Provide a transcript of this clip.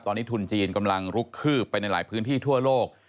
ตอนนี้ทุนจีนกำลังลุกคืบไปในหลายพื้นที่ทั่วโลก